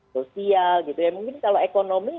sosial gitu ya mungkin kalau ekonomi